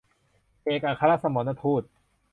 เอกอัครสมณทูต